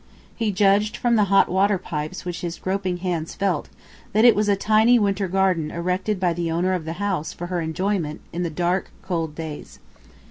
He judged from the hot water pipes which his groping hands felt that it was a tiny winter garden erected by the owner of the house for her enjoyment in the dark, cold days.